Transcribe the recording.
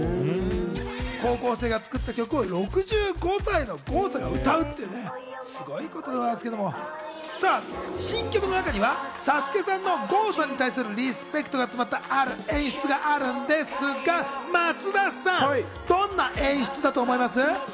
高校生が作った曲を６５歳の郷さんが歌うっていうのがね、すごいことでございますけれども、新曲の中にはＳＡＳＵＫＥさんの郷さんに対するリスペクトが詰まったある演出があるんですが松田さん、どんな演出だと思います？